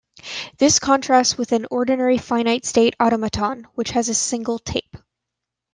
This contrasts with an ordinary finite-state automaton, which has a single tape.